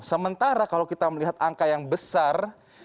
sementara kalau kita melihat angka yang besar